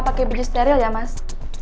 pakai baju steril ya mas